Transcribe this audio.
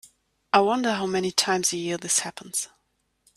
I wonder how many times a year this happens.